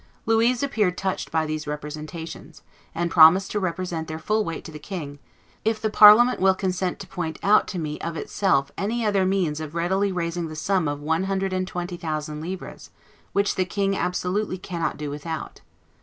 Louise appeared touched by these representations, and promised to represent their full weight to the king, "if the Parliament will consent to point out to me of itself any other means of readily raising the sum of one hundred and twenty thousand livres, which the king absolutely cannot do without."